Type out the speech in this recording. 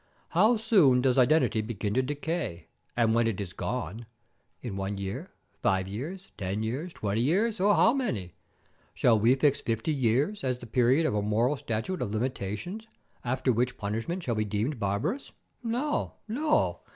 How soon does identity begin to decay, and when is it gone in one year, five years, ten years, twenty years, or how many? Shall we fix fifty years as the period of a moral statute of limitation, after which punishment shall be deemed barbarous? No, no.